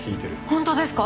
本当ですか？